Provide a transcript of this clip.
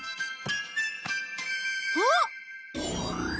あっ！